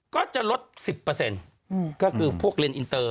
ก็จะลดสิบเปอร์เซ็นต์ก็คือพวกเรียนอินเตอร์